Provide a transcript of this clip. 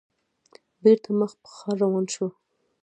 بېرته مخ په ښار روان شوو.